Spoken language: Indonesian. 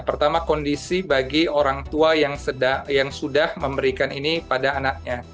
pertama kondisi bagi orang tua yang sudah memberikan ini pada anaknya